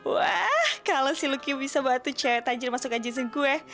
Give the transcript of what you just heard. wah kalau si lucky bisa bantu cewek tajir masuk agensi gue